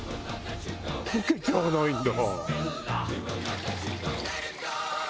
溶けちゃわないんだ。